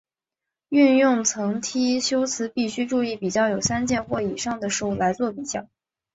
运用层递修辞必须注意要有三件或以上的事物来作比较。